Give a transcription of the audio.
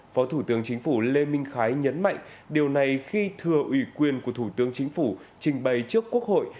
phó thủ tướng chính phủ lê minh khái nhấn mạnh điều này khi thừa ủy quyền của thủ tướng chính phủ trình bày trước quốc hội